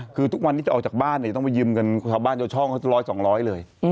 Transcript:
คือทุกวันนี้จะออกจากบ้านต้องไปยืมกันทางบ้านเจ้าช่องจะร้อยสองร้อยเลย